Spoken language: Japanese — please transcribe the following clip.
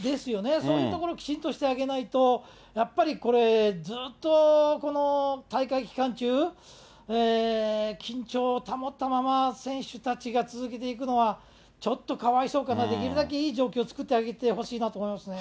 そういうところをきちんとしてあげないと、やっぱりこれ、ずっとこの大会期間中、緊張を保ったまま、選手たちが続けていくのは、ちょっとかわいそうかな、できるだけいい状況を作ってあげてほしいなと思いますね。